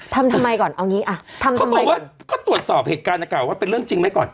เขาบอกว่าก็ตรวจสอบเหตุการณ์เก่าว่าเป็นเรื่องจริงไหมก่อน